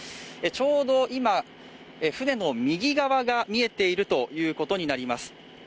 ちょうど今、船の右側が見えているということになります。